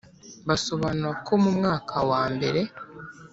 basobanura ko mu mwaka wa mbere